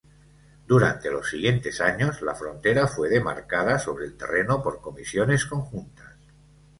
Durante los siguientes años, la frontera fue demarcada sobre el terreno por comisiones conjuntas.